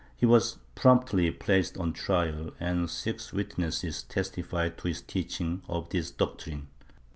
He was promptly placed on trial and six wit nesses testified to his teaching of this doctrine.